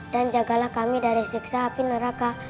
dan jagalah kami dari siksa api neraka